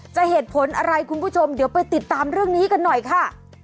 เหตุผลอะไรคุณผู้ชมเดี๋ยวไปติดตามเรื่องนี้กันหน่อยค่ะ